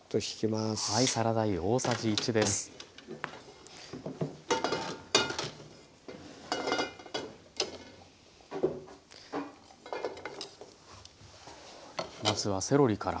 まずはセロリから。